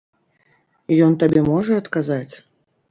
Ён табе можа адказаць?